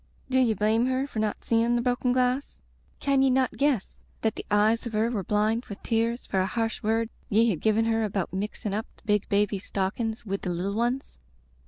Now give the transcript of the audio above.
.•• Do ye blame her for not seein' the broken glass ? Can ye not guess that the eyes of her were blind with tears for a harsh word ye had given her about mixin* up the big baby's stockings wid the little one's